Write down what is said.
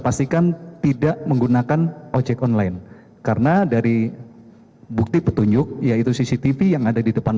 pastikan tidak menggunakan ojek online karena dari bukti petunjuk yaitu cctv yang ada di depan